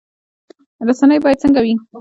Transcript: رسنۍ باید څنګه وي؟